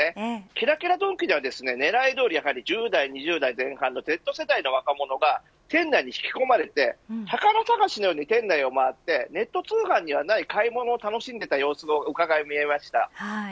キラキラドンキでは狙いどおり１０代２０代前半のＺ世代の若者が店内に引き込まれて宝物探しのように店内を回ってネット通販にはない、買い物を楽しんでいた様子がうかがい知れました。